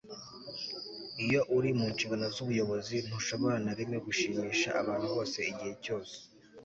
iyo uri mu nshingano z'ubuyobozi, ntushobora na rimwe gushimisha abantu bose igihe cyose